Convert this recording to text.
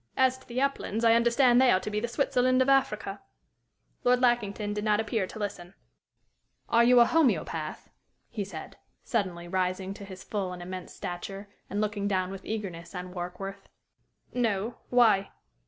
"As to the uplands, I understand they are to be the Switzerland of Africa." Lord Lackington did not appear to listen. "Are you a homoeopath?" he said, suddenly, rising to his full and immense stature and looking down with eagerness on Warkworth. "No. Why?"